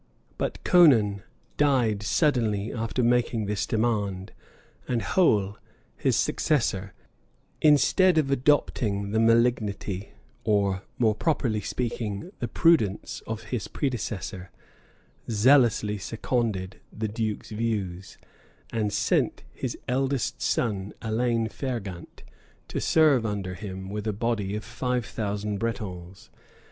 [] But Conan died suddenly after making this demand; and Hoel, his successor, instead of adopting the malignity, or, more properly speaking, the prudence of his predecessor, zealously seconded the duke's views, and sent his eldest son, Alain Fergant, to serve under him with a body of five thousand Bretons.